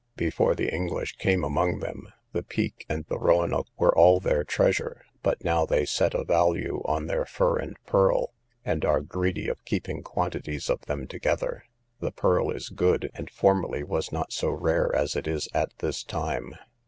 Before the English came among them, the peak and the roenocke were all their treasure; but now they set a value on their fur and pearl, and are greedy of keeping quantities of them together. The pearl is good, and formerly was not so rare as it is at this time.